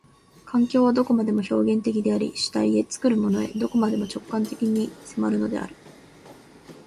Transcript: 環境はどこまでも表現的であり、主体へ、作るものへ、どこまでも直観的に迫るのである。